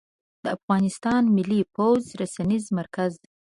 د افغانستان ملى پوځ رسنيز مرکز